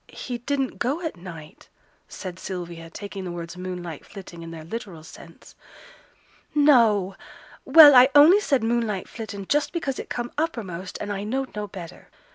'He didn't go at night,' said Sylvia, taking the words 'moonlight flitting' in their literal sense. 'No! Well, I only said "moonlight flittin'" just because it come uppermost and I knowed no better.